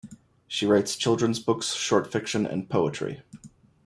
She writes children's books, short fiction, and poetry.